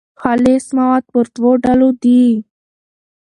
خالص مواد پر دوو ډولو دي.